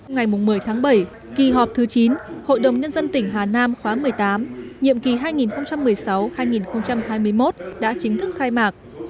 ngày một mươi tháng bảy kỳ họp thứ chín hội đồng nhân dân tỉnh hà nam khóa một mươi tám nhiệm kỳ hai nghìn một mươi sáu hai nghìn hai mươi một đã chính thức khai mạc